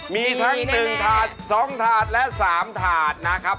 มีทั้ง๑ถาด๒ถาดและ๓ถาดนะครับ